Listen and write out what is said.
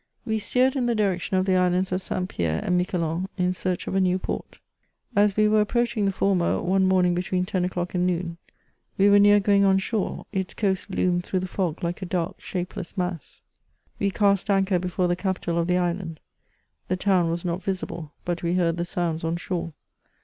We steered in the direction of the Islands of St. Pierre and Miquelon, in search of a new port. As we were approaching the former, one morning between ten o'clock and noon, we were near going on shore ; its coasts loomed through the fog like a dark shapeless mass. We cast anchor before the capital of the island ; the town was not visible, but we heard the sounds on shore.